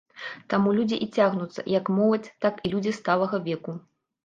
Таму людзі і цягнуцца, як моладзь, так і людзі сталага веку.